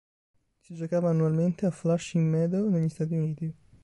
Si giocava annualmente a Flushing Meadow negli Stati Uniti.